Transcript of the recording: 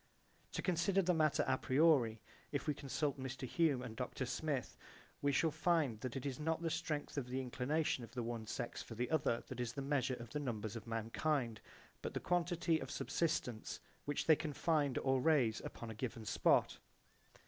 To consider the matter a priori [?], if we consult Mr. Hume and Dr. Smith, we shall find that it is not the strength of the inclination of the one sex for the other that is the measure of the numbers of mankind, but the quantity of subsistence which they can find or raise upon a given spot.